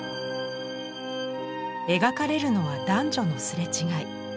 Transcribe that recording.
描かれるのは男女の擦れ違い。